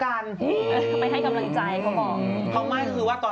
เขาไปให้กำลังใจเขาบอก